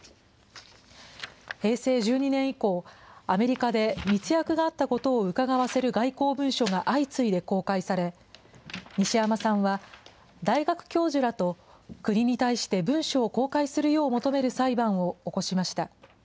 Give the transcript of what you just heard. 平成１２年以降、アメリカで密約があったことをうかがわせる外交文書が相次いで公開され、西山さんは、大学教授らと国に対して文書を公開するよう求める裁判を起こしました。